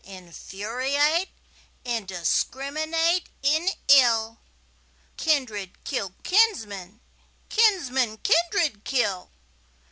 Infuriate, indiscrminate in ill, Kindred kill kinsmen, kinsmen kindred kill.